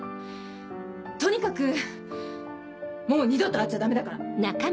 とにかくもう二度と会っちゃダメだから。